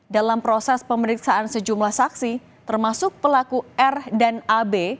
dalam proses pemeriksaan sejumlah saksi termasuk pelaku r dan ab